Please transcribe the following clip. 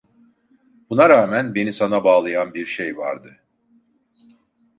Buna rağmen beni sana bağlayan bir şey vardı.